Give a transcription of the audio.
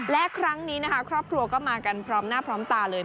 และครั้งนี้นะคะครอบครัวก็มากันพร้อมหน้าพร้อมตาเลย